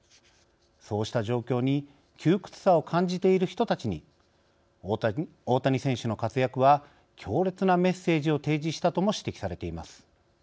そうした状況に窮屈さを感じている人たちに大谷選手の活躍は強烈なメッセージを提示したとも指摘されています。